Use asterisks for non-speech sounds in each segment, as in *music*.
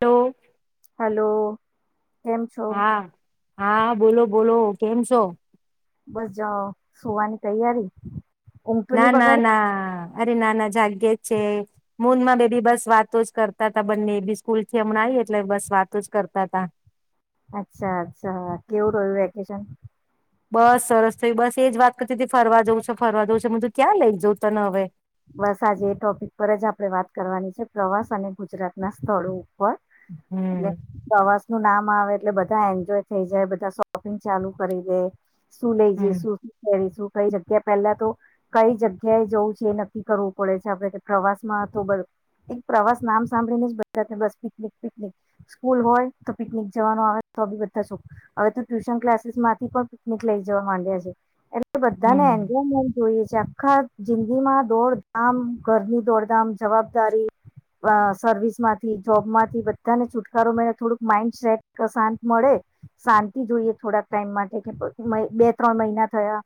Hello hello કેમ છો હા હા બોલો. બોલો કેમ છો. બસ જાઓ સોવાની તૈયારી. ઊંઘ તો ના નહી ના બગાડી ના. અરે નાના જાગે જ છે મૂન માં બે બી બસ વાતો જ કરતા ત બંને બી સ્કૂલ થી હમણાં આવી એટલે બસ વાતો જ કરતા તા. અચ્છા અચ્છા કેવું રહ્યું વેકેશન. બસ સરસ થયું બસ એજ વાત કરતી હતી ફરવા જવું છે ફરવા જવું છે હ તું ક્યાં લઈ જઉં તને હવે. બસ આજે એ ટોપિક પર જ આપણે વાત કરવાની છે પ્રવાસ અને ગુજરાતના સ્થળો પણ હમ એટલે પ્રવા નું નામ આવે એટલે બધા એન્જોય થઈ જાય બધા શોપિંગ ચાલુ કરી દે. શું લઈ જ હમ શું શું પેરીશું. કઈ જગ્યા પહેલા તો કઈ જગ્યાએ જવું છે એ. નક્કી કરવું પડે છે આપડે પ્રવાસ માં તો બ એક પ્રવાસ નામ સાંભળીને જ બધા બસ પનિક પિકનિક સ્કૂલ હોય તો પિકનિક જવાનું આવે તો ભી બધાો હવે તો ટ્યુશન ક્લાસીસ માંથી પણ પિકનિક લઈ જવા માંડ્યા છે એટલે. એ બધા ને હમ *inaudible* જોઈએ છે. *unintelligible* જિંદગી માં. દોડધામ ઘરની દોડધામ જવાબદારી સર્વિસ માંથી જોબમાંથી બધાને છુટકારો મેને થોડુંક માઈન્ડ સેટ શાંત મળે શાંતિ જોઈએ થોડાક ટાઈમ માટે કે બે ત્રણ મહિના થયા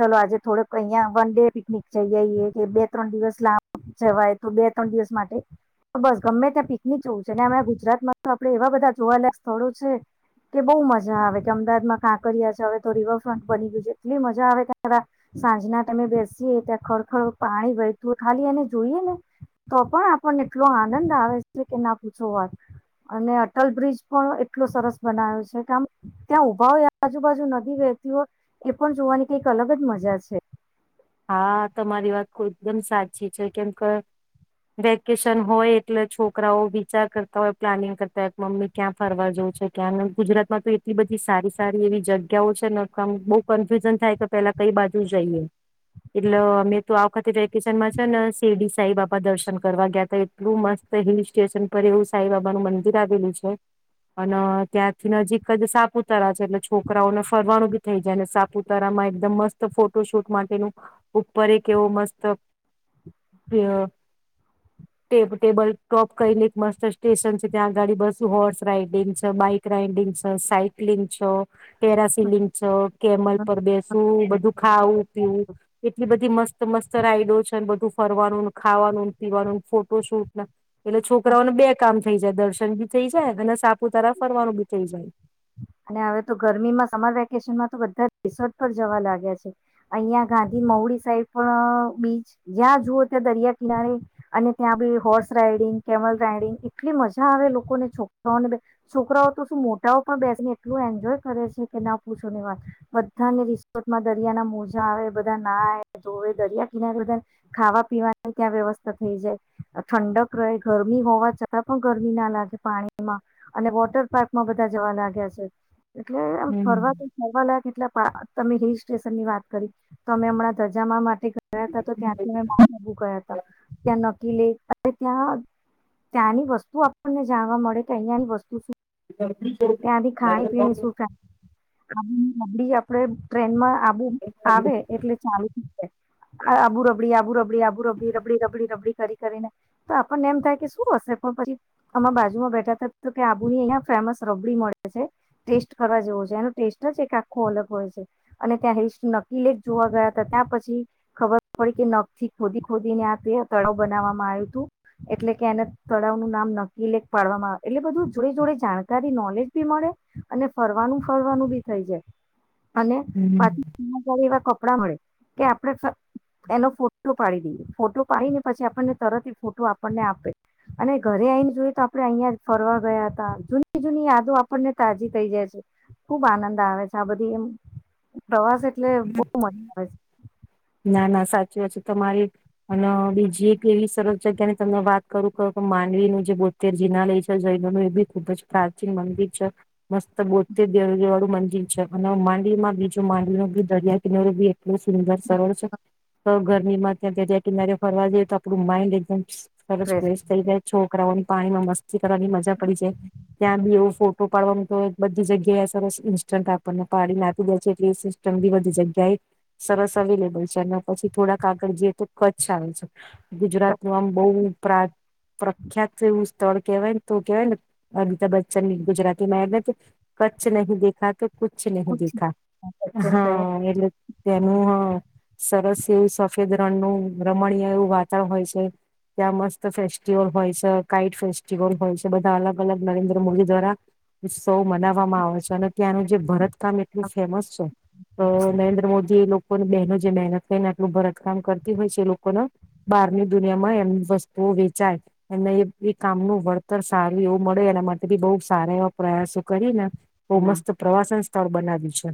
ચલો આજે થોડક અહીં વન ડે પિકનિક જઈ આવીઈએ. કે બે ત્રણ દિવસ લાંબ જવાય તો બે ત્રણ દિવસ માટે બસ ગમે ત્યાં પિકનિક જવું છે અને અ ગુજરાતમાં તો આપડે એવા બધા જોવાલાક સ્થળો છે કે બો મજા આવે કે અમદાવાદમાં કાંકરિયા છે હવે તો રિવરફ્રન્ટ બની ગયું છે એટલી મજા આવે કે સાંજના તમે બેસીએ ત્યાં ખરખર. પાણી વહેતું હોય ખાલી એને જોઈએ ને તો પણ આપણને એટલો આનંદ આવે છે કે ના પૂછો વાત અને અટલ બ્રિજ પણ એટલો સરસ બનાવ્યો છે કેમ ત્યાં ઉભા હોય આજુબાજુ નદી વેહતી હોય એ પણ જોવાની કઈક અલગ જ મજા છે. હા તમારી વાત એકદમ સાચી છે કેમ કે વેકેશન હોય એટલે છોકરાઓ વિચાર કરતા હોય પ્લાનિંગ કરતા હોય કે મમ્મી ક્યાં ફરવા જવ છે ક્યાં ગુજરાતમાં તો એટલી બધી સારી સારી એવી જગ્યાઓ છે નામ બો કન્ફ્યુઝન થાય કે પેલા કઈ બાજુ જઈએ. એટલે અમે તો આ વખતે વેકેશનમાં છે ને શેરડી સાઈ બાબા દર્શન કરવા ગયા હતા એટલું મસ્ત હિલ સ્ટેશન પર એવું સાઈ બાબા નુ મંદિર આવેલું છે અને ત્યાંથી નજીક જ સાપુતારા છે એટલે છોકરાઓને ફરવાનું ભી થઇ જાય અને સાપુતારામાં એકદમ મસ્ત ફોટો શૂટ. માટેનું ઉપર એક એવો મસ્ત ટેબલ ટોપ કઈને એક મસ્ત સ્ટેશન છે ત્યાં આગાડી બસ હોર્સ રાઈડિંગ છે બાઈક રાઈડિંગ છે સાઈકલિંગ છો ટેરા સિલિંગ છો. કેમલ પર બેસ વુ. દુખાવુ. પીવું એટલી બધી મસ્ત મસ્ત રાઈડો છેને બધું ફરવાનું ખાવાનુંને પીવાનું ફોટો શૂટ એટલે છોકરાઓને બે કામ થઈ જાય દર્શન ભી થઈ જાય અને સાપુતારા ફરવાનું ભી થઇ જાય અને હવે તો ગરમીમાં સમર વેકેશનમાં તો બધા રિસોર્ટ પર જવા લાગ્યા છે અહં ગાંધી મહઉડી સાઈડ પણ બીચ જ્યાં જુઓ ત્યાં દરિયા કિનારે અને ત્યાં ભી હોર્સ રાઈડિંગ કેમલ રાઈડિંગ એટલી મજા આવે લોકોને છોકરાઓને છોકરાઓ તો શું મોટાઓ પણ બેસને એટલું એન્જોય કરે છે કે ના પૂછો ની વાત બધા રિસોર્ટમાં દરિયાના મોજા આવે બધા ના આવે જોવે દરિયા કિના બધા ખાવા પીવાની ક્યાં વ્યવસ્થા થઈ જાય ઠંડક રહે ગરમી હોવા છતાં પણ ગરમી ના લાગે પાણીમાં અને વોટર પાર્કમાં બધા જવા લાગ્યા છે એટલે એમ હમ ફરવા તો *inaudible* લાયક એટલે તમે હિલ સ્ટેશન ની વાત કરી તો અમે હમણાં ધજામા મા તે ગયા હતાં *inaudible* ત્યાં નકી લે ત્યાં ત્યાંની વસ્તુ આપણને જાણવા મળે કે અહિયાંની વસ્તુ શું ત્યાંથી ખાણી પીણી શું *inaudible* *inaudible* આપડે ટ્રેન મા આબુ આવે એટલે ચાલુ થ જાય આબુ રબડી આબુ રબડી *unintelligible* રબડીબડી રબડીબડી કરી કરીને તો આપણને એમ થાય કે શું હશે પણ પછી આમાં બાજુમાં બેઠા ત તો કે આબુની રબડી મળે છે ટેસ્ટ કરવા જેવો છે એનો ટેસ્ટ જ એક આખો અલગ હોય છે અને ત્યાં હિસ્ટ નકલેક જોવા ગયા હતા ત્યાં પછી ખબર પડી કે નખ થી ખોદી ખોદીને આે તળાવ બનાવવામાં આવ્યું હતું એટલે કે એને તળાવ નું નામ નકીલેક ફડવામાં આવે એટલે બધું જોડે જોડે જાણ *unintelligible* નોલેજ ભી મળે અને ફરવાનું ફરવાનું ભી થઇ જાય અને *inaudible* હમ *unintelligible* કે આપણે એનો ફોટો પાડી દઈએ ફોટો પાડીને પછી આપણને તરત ફોટો આપણને આપે અને ઘરે આવીઈને જોઈએ તો આપણે અહીં ફરવા ગયા હતા જોની જૂની યાદો આપણને તાજી થઈ જાય છે ખુબ આનંદ આવે છે આ બધી એમ પ્રવાસે ના ના સાચી વાત તમારી અને બીજી એક એવી સરસ જગ્યાની તમે વાત કરું કરુ કે માંડવીનું જે બોતેર જિનાલય છે જયલોનું એ ભી ખુબ જ પ્રાચીન મંદિર છે મસ્ત બોતેર દે વાળું મંદિર છે અને માંડવી માં બીજું માંડવીનું દરિયા કિનારે ભી એટલું સુંદર સરળ છે તો ગરમી માં ત્યાં દરિયા કિનારે ફરવા જઈએ તો આપણું માઇન્ડ એકદમ સરસ છે ફ્રેસ થઈ જય છોકરાઓની પાણીમાં મસ્તી કરવાની મજા પડી જાય ત્યાં બી એવું ફોટો પાડવાનું તો બધી જગ્યાએ સરસ ઇન્સ્ટન્ટ આપણને પાડી ના આપી દે છે એટ જંગી બધી જગ્યાએ સરસ અવેલેબલ છે અને પછી થોડાક આગળ જઈએ તો કચ્છ આવે છે ગુજરાત નું આમ બહુ પ્રખ્યાત એવું સ્થળ કવાયને તો કેવાય ને અમિતાભ બચ્ચન ગુજરાતીમાં આવેને કચ્છ નહીં દેખાતો કછ નહી દેખા ટ્રેસ હા એટલે તેનું હ સરસ એવું સફેદ રણનુંું રમણીય એવું વાતાવરણ હોય છે ત્યાં મસ્ત ફેસ્ટિવલ હોય છે કાઇટ ફેસ્ટિવલ હોય છે બધા અલગ અલગ નરેન્દ્ર મોદી દ્વારા ઉત્સવો મનાવવામાં આવે છે અને ત્યાંનું જે ભરત તમે એટલું ફેમસ છો નરેન્દ્ર મોદી લોકોને બહેનો જે મહેનત કરીને આટલું ભરતકામ કરતી હોય છે એ લોકોને બહારની દુનિયામાં એમ વસ્તુઓ વેચાય એમને એ કામનું વળતર સારું એવું મળે એના માટે બી બહુ સારા એવા પ્રયાસો કરી ને ઓ મસ્ત પ્રવાસન સ્થળ બનાવી છે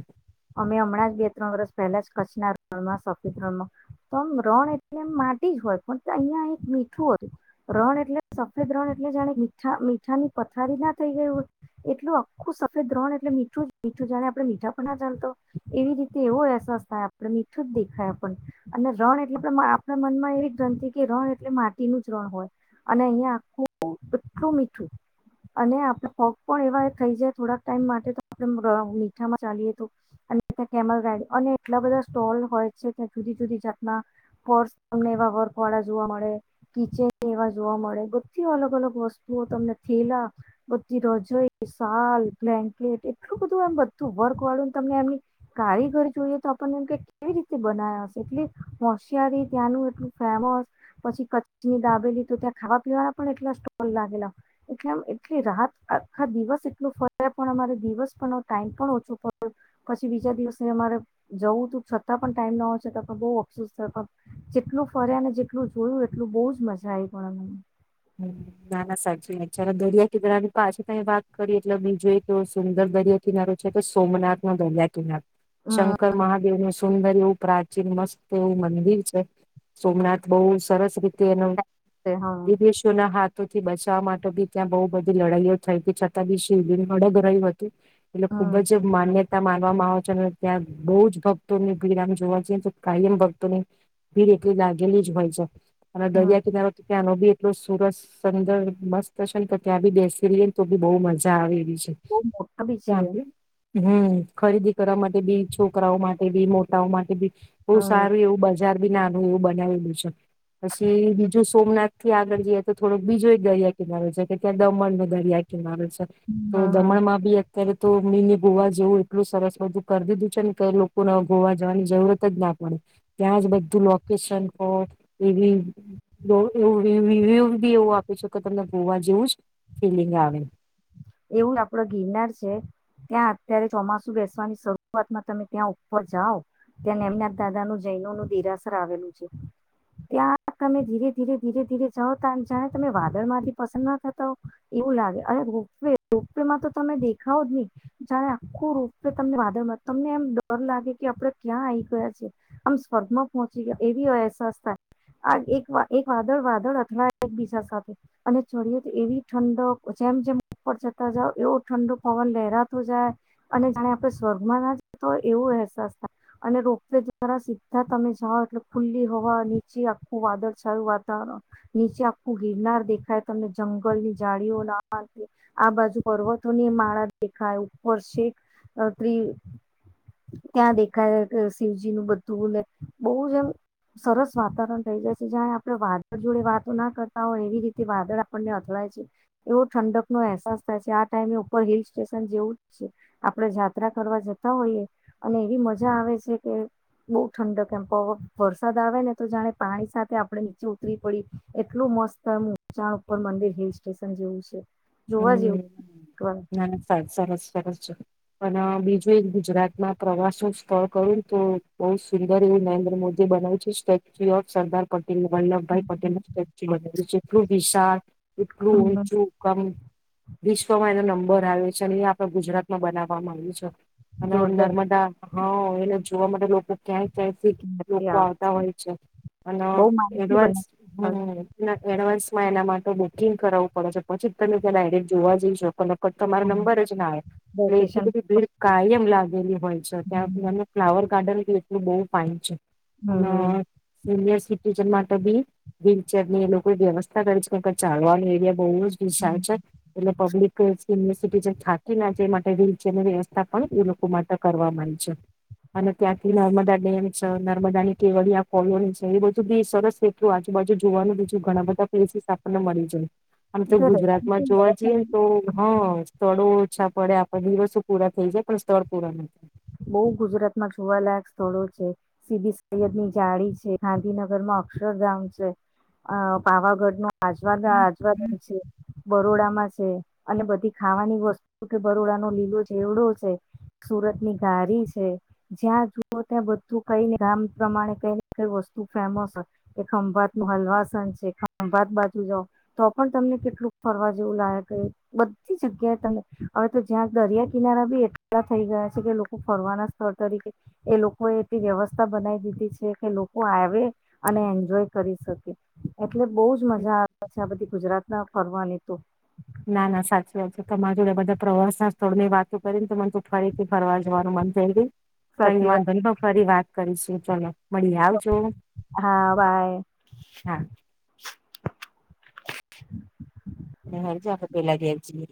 અમે હમણાં જ બે ત્રણ વરષ પહેલા જ કચ્છના રણમાં સફેદ રણમાં તો આમ રણ એટલે એમ માટી જ હોય પણ અહીિયાં એક મીઠું હતું રણ એટલે સફેદ રણ એટલે જાણે મીઠા મીઠા ની પથારી ના થઈ ગયું હોય એટલું આખું સફેદ રણ એટલે મીઠું જ મીઠું જાણે આપણે મીઠા પણ એવી રીતે એવો અહેસાસ થાય આપણે મીઠું જ દેખાય આપણ અને રણ એટલે આપણા મનમાં એવી ગનિ કે રણ એટલે માટીનું જ રણ હોય અને અહીિયાંયા આખું એટલું મીઠું અને આપડ પગ પણ એવા થઈ જાય થોડાક ટાઈમ માટે તો આપ ર મીઠામાં ચાલીએ તો અને ત્યા કેમલ ગાડી અને એટલા બધા સ્ટોલ હોય છે ત્યાં જુદી જુદી જાતના પર્સ તમને એવા વર્ક વાળા જોવા મળે કિચેન એવા જોવા મળે બધી અલગ અલગ વસ્તુઓ તમને થેલા બધી રજોઈ શલ બ્લેન્કેટ એટલું બધું એમ બધું વર્ક વાળું તમને એમની કારીગર જોઈએ તો આપણને એમ કે કેવી રીતે બના્યા હશે એટલી હોશિયારી ત્યાંનું એટલું ફેમસ પછી કચ્છની દાબેલી તો ત્યાં ખાવા પીવાના પણ એટલા સ્ટોલ લાગેલા એટલે આમ એટલી રાત આખા દિવસ એટલ ફરે પણ અમારે દિવસ પણનો ટાઈમ પણ ઓછો પછી બીજા દિવસે અમારે જવું તું છતાં પણ ટાઈમ ના હોશે તો બઉ અફસોસ થયો જેટલું ફર્યા ને જેટલું જોયું એટલું બહુ જ મજા આવી પણ અ હ ના ના સાચી વાત છેા દરિયા કિનારાની પાછ ત વાત કરીએ એટલે મે જોઈ તો સુંદર દરિયા કિનારો છે કે સોમનાથ ન દરિયા કિનારો અમને શંકર મહાદેવ ન સુંદર એવું પ્રાચીન મસ્ત એવું મંદિર છે સોમનાથ બહુ સરસ રીતે તેનું હા દ બે શોના હા. થી બચાવવા માટે બી ત્યાં બહુ બધી લડાઈઓ થઈ હતી છતાં બી શિવડીિંગ અડગ રહ્યું હતું એટલે ખુબ હમ જ માન્યતા માન વામાં આવે છે અને ત્યાં બહુ જ ભક્તોની ભીડ આમ જોવા છીએ તો કાયમ ભક્તો ની ભીડ એટલી લાગેલી જ હોય છે. અને હમ દરિયા કિનારો તો ત્યાં ની એ સુરત અંદર મસ્ત હશે ને કે ત્યાં બી બેસી રહીએ ને તો બી બહુ મજા આવે છે બહ મોટા ભી છે ત્યાં હમ ખરીદી કરવા માટે બી છોકરાઓ માટે બી મોટાઓ માટે બી બહુ હમ સારું એવું બસ બજાર બી નાનું એવું બનાવેલું છે પછી બીજું સોમનાથ થી આગળ જઈએ તો થોડો બીજો એક દરિયા કિનારો છે કે ત્યાં દમણ ન દરિયા કિનારો છે તો હમ હમ દમણમાં બી એક ત્યારે તો મેિને ગોવા જેવું એટલું સરસ બધું કરી દીધું છે ને લોકોને ગોવા જવાની જરૂરત જ ના પડે ત્યાં જ બધું લોકેશન હો એવી એવું રિવ્યુ બી એવું આપે છે કે તમને ગોવા જેવું જ ફિલિંગ આવે એવું આપડ ગિરનાર છે ત્યાં અત્યારે ચોમાસુ બેસવાની શરૂઆતમાં તમે ત્યાં ઉપર જાઓ ત્યાંને એમના દાદા નું જૈનો નું દેરાસર આવેલું છે ત્યાં તમે ધીરે ધીરે ધીરે ધીરે જાઓ ત જાણે તમે વાદળમાંથી પસંદ ના થતા હો એવું લાગે અરે ર રોપેમાં તો તમે દેખાવ જ નહી જણે આખું રોપે તમને વાદળ તમને એમ ડર લાગે કે આપડે ક્યાં આવી ગયા છેી આમ સ્વર્ગમાં પહોંચી ગયા એવી અહેસાસ થાય આ એક વાદળ વાદળ અથડાય એકબીજા સાથે અને ચડીએ તો એવી ઠંડક જેમ જેમ જતા જઓ એવો ઠંડો પવન લહેરાતો જાય અને જાણે આપે સ્વર્ગમાં ના જતો હોય એવો અહેસાસ થાય અને રોપવે દ્વારા સીધા તમે જાઓ એટલે ખુલ્લી હવા નીચે આખું વાદળછાયું વાતાવરણ નીચે આખું હિરનાર દેખાય તમને જંગલ ની જાડીીઓ લવા આ બાજુ પર્વતો ની માળા દેખાય ઉપર શખ ત ત્યાં દેખાય શિવજી નું બધું બલે બહુ જ એમ સરસ વાતાવરણ થઈ જાય છે જ્યાં આપણે વાદળ જોડે વાતો ના કરતા હોય એવી રીતે વાદળ આપણને અથડાય છે એવો ઠંડક નો અહેસાસ થાય છે આ ટાઈમે ઉપર હિલ સ્ટેશન જેવું જ છે આપડે યાત્રા કરવા જતા હોઈએ અને એવી મજા આવે છે કે બહુ ઠંડક કેમ વરસાદ આવે ને તો જાણે પાણી સાથે આપણે નીચે ઉતરી પડી એટલું મસ્ત એમચાણ ઉપર મંદિર હિલ સ્ટેશન જેવું છે જોવા હમ જેવું એકવાર. ના સર સરસ સરસ પણ બીજું એક ગુજરાતમાં પ્રવાસ નું સ્થળ કરું તો બહ સુંદર એવું નરેન્દ્ર મોદી બનાવ્યું છે સ્ટેચ્યુ ઓફ સરદાર પટેલ વલ્લભભાઈ પટેલ ન સ્ટેચ્યુ બના એટલલો વિશળ એટલું ઉચું કમ વિશ્વમાં એનો નંબર આવે છે અને એ આપડે ગુજરાતમાં બનાવવામાં આવ્યું છે હ જોરદાર નર્મદા હા એ જોવા માટે લોકો ક્યાય ટફિક લોકો આવતા હોય છે અને બહુ માનસી એડવાન્સ બને હમ એડવાન્સમાં એના માટે બુકિંગ કરાવવું પડે છે પછી તમે જોવા જઈ શકો તમારો નંબર જ ના આવે એટલે વેકેશન એટલી બધી ભીડ કાયમ લાગેલી હોય છે ત્યાં હમ સુધી ફ્લાવર ગાર્ડન એું બહુ ફઇન છે હમ સીનિયર સિટીઝન તબી વ્હીલચેરની એ લોકો વ્યવસ્થા કરી છે કેમ કે ચાલવાનું એરિયા બઉ જ વિશાલ હમ. છે. એટલે પબ્લિક સિનિયર સીટીઝન થાકી ના જાય માટે વિલચેરની વ્યવ તા પણ એ લોકો માટે કરવા મળી છ. અને ત્યાંથી નર્મદા ડેમ છ. નર્મદાની કેવડીયા કોલોની છે એ બધું બી સરસ એટલું આજુબાજુ જોવાનું બીજું ઘણા બધા પ્લેસીસ આપડન મળી જાય. આમ તો જો ગુજરાત રહેવાનું છે જોવા જીએ ન ને, તો હન સ્થળો ઓછા પડે આપ દિવસો પૂરા થઈ જાય પણ સ્થળ પૂરા ન થાય. બઉ ગુજરાતમાં જોવા લાયક સ્થળો છે. સીદી સૈયદની જાળી છે. ગાંધીનગરમાં અક્ષરધામ છે. આ પાવાગઢનો આજવા ગા થાય. આજવા ગામ છે. બરોડામાં છે. અને બધી ખાવાની વસ્તુ કે બરોડાનો લીલો ચેવડો છે. સુરતની ધારી છે. જ્યાં જુઓ ત્યાં બધું કઈને ગામ પ્રમાણે કઈ કઈ વસ્તુ ફેમસ કે ખંભાતનું હલવાસન છે. ખંભાત બાજુ જઓ તો પણ તમને કેટલું ફરવા જેવું લાગે. બધી જગ્યાએ તમે હવે તો જ્યાં દરિયા કિનારા બી એટલા થઈ ગયા છે કે લો કો ફરવાના સ્થળ તરીકે એ લોકોએ એટલી વ્યવસ્થા બનાવી દીધી છે કે લોકો આવે અને એન્જોય કરી શકે. એટલે બઉ જ મજા આવે છે. આ બધી ગુજરાત ના ફરવાની તો. ના ના સાચી વાત છે. તમાર જોડ બધા પ્રવાસના સ્થળની વાતો કરી ને તો મને તું ફરીથી ફરવા જવાનું મન થઈ ગયુ કઈ સાચી વાંધો વાત ની પણ ફરી વાત કરીશુ. ચલો. મળીએ આવજો હા બાય. હા *inaudible* ને હાંજે આપે પેલા ઘેર જઈએ.